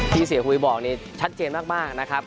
เสียหุยบอกนี่ชัดเจนมากนะครับ